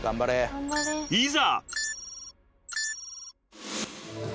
［いざ］